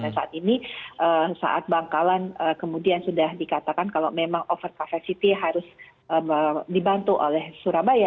dan saat ini saat bangkalan kemudian sudah dikatakan kalau memang over capacity harus dibantu oleh surabaya